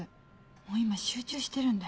もう今集中してるんで。